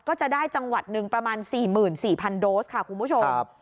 ก็จะได้จังหวัดหนึ่งประมาณ๔๔๐๐โดสค่ะคุณผู้ชม